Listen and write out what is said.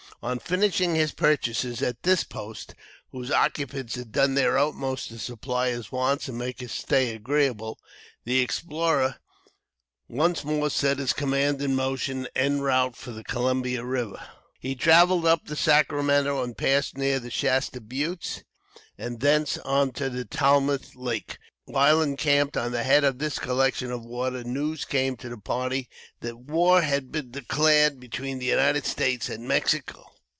On finishing his purchases, at this post, whose occupants had done their utmost to supply his wants and make his stay agreeable, the explorer once more set his command in motion en route for the Columbia River. He traveled up the Sacramento and passed near the Shasta Buttes, and thence on to the Tlamath Lake. While encamped on the head of this collection of water, news came to the party that war had been declared between the United States and Mexico.